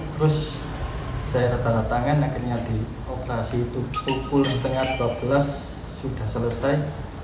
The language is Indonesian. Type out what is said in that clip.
terus saya tanda tangan akhirnya di operasi itu pukul setengah dua belas sudah selesai